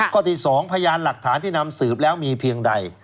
ข้อที่๒พยานหลักฐานที่นำสืบแล้วมีเพียงใด